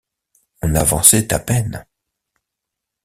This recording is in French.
On avançait à peine.